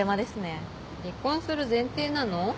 離婚する前提なの？